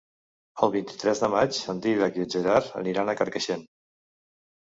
El vint-i-tres de maig en Dídac i en Gerard aniran a Carcaixent.